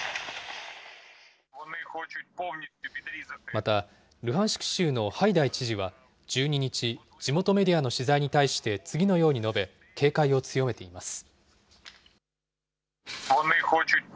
また、ルハンシク州のハイダイ知事は１２日、地元メディアの取材に対して次のように述べ、警戒を強めています。